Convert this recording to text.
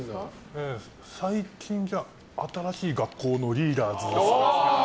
最近新しい学校のリーダーズですかね。